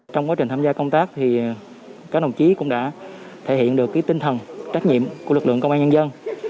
trong quá trình tham gia công tác các đồng chí cũng đã thể hiện được tinh thần trách nhiệm của lực lượng công an nhân dân